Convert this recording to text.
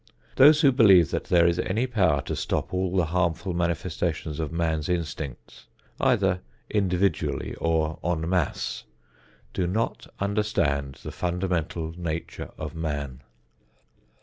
Those who believe that there is any power to stop all the harmful manifestations of man's instincts, either individually or en masse, do not understand the fundamental nature of man.